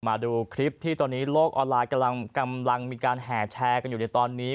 มาดูคลิปที่ตอนนี้โลกออนไลน์กำลังมีการแห่แชร์กันอยู่ในตอนนี้